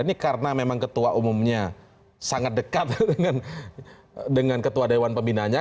ini karena memang ketua umumnya sangat dekat dengan ketua dewan pembinanya